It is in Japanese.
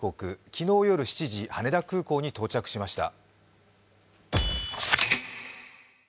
昨日夜７時、羽田空港に到着しました。